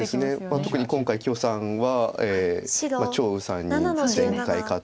特に今回許さんは張栩さんに前回勝って。